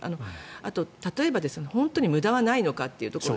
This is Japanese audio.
あと、例えば、本当に無駄はないのかというところ。